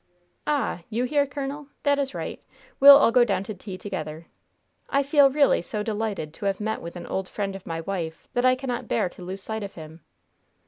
"Ah! You here, colonel? That is right. We'll all go down to tea together. I feel really so delighted to have met with an old friend of my wife that I cannot bear to lose sight of him.